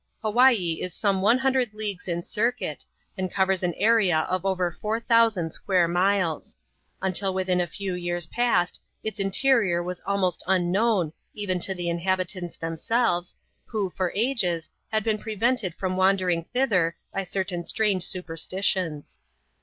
Hawaii is some one hundred leagues in circuit, and covers an area of over four thousand square miles. Until within a few years past, its interior was almost unknown, even to the in habitants themselves, who, for ages, had been prevented from wandering thither, by certain strange superstitions.